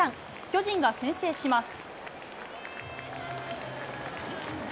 巨人が先制します。